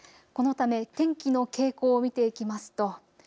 このため天気の傾向を見ていきますと